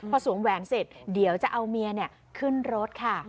พอสวมแหวนเสร็จเดี๋ยวจะเอาเมียขึ้นรถค่ะ